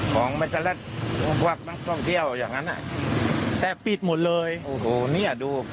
ของมันจะแร็ดควักนักท่องเที่ยวอย่างนั้นอ่ะแต่ปิดหมดเลยโอ้โหเนี่ยดู